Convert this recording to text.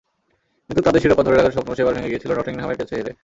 কিন্তু তাদের শিরোপা ধরে রাখার স্বপ্ন সেবার ভেঙে গিয়েছিল নটিংহামের কাছে হেরে।